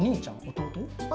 弟？